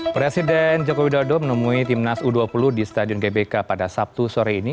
presiden joko widodo menemui timnas u dua puluh di stadion gbk pada sabtu sore ini